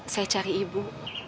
saya cari ibu